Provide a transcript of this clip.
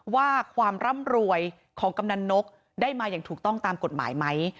ว่าความร่ำรวยของกำนันนกได้มาอย่างถูกต้องตามกฎหมายไหม